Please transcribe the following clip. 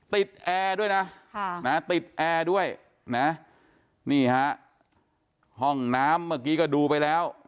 แอร์ด้วยนะติดแอร์ด้วยนะนี่ฮะห้องน้ำเมื่อกี้ก็ดูไปแล้ว